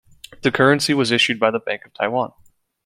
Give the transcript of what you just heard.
The currency was issued by the Bank of Taiwan.